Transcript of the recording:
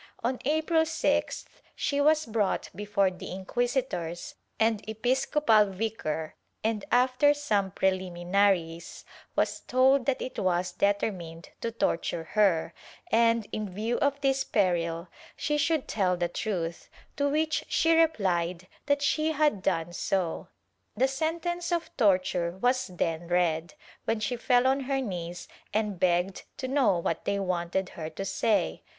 On April 6th she was brought before the inquisitors and episcopal vicar and, after some prehminaries, was told that it was deter mined to torture her, and in view of this peril she should tell the truth, to which she replied that she had done so. The sentence of torture was then read, when she fell on her knees and begged to know what they wanted her to say.